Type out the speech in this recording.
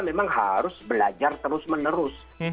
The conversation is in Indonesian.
memang harus belajar terus menerus